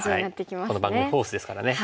この番組フォースですからね。